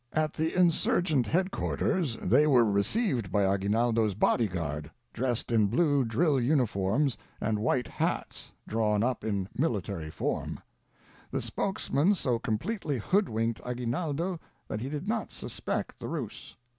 At the Insurgent headquarters they were received by Agui naldo's bodyguard, dressed in blue drill uniforms and white hats, drawn up in military form. The spokesman so completely hoodwinked Agui naldo that he did not suspect the ruse.